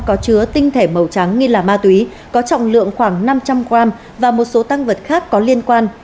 có chứa tinh thể màu trắng nghi là ma túy có trọng lượng khoảng năm trăm linh g và một số tăng vật khác có liên quan